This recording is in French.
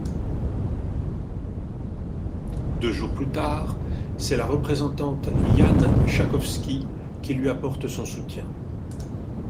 Deux jours plus tard, c'est la représentante Jan Schakowsky qui lui apporte son soutien.